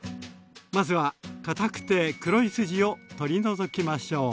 まずはかたくて黒い筋を取り除きましょう。